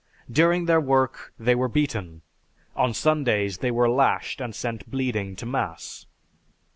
During their work they were beaten. On Sundays they were lashed and sent bleeding to Mass.